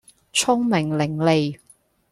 聰明伶俐